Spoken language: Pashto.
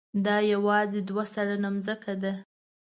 دا یواځې دوه سلنه ځمکه ده.